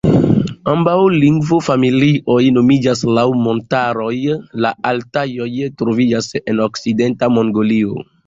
Ambaŭ lingvofamilioj nomiĝas laŭ montaroj; la Altajoj troviĝas en okcidenta Mongolio.